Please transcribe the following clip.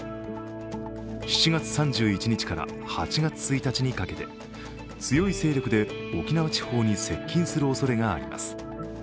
７月３１日から８月１日にかけて強い勢力で沖縄地方に接近するおそれがあります。